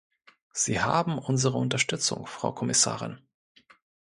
Sie haben unsere Unterstützung, Frau Kommissarin.